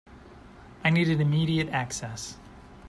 I needed immediate access.